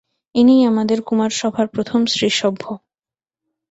ইনিই আমাদের কুমারসভার প্রথম স্ত্রীসভ্য।